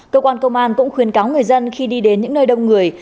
cơ quan công an cũng khuyên cáo người dân khi đi đến những nơi đông người